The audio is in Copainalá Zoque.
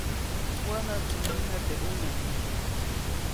Wänätsu myinä teʼ ʼune.